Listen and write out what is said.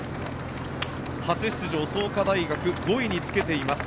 初出場、創価大学５位につけています。